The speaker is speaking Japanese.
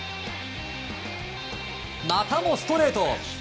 またもストレート！